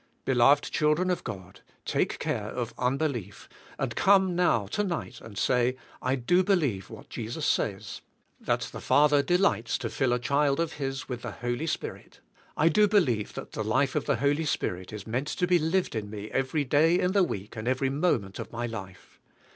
Beloved children of God, take care of unbelief, and come now tonight and say, I do be lieve what Jesus says — that the Father delights to fill a child of His with the Holy Spirit. I do be lieve that the life of the Holy Spirit is meant to be lived by me every day in the week and every mo ment of my life.